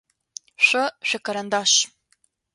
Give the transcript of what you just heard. Шъо шъуикарандаш.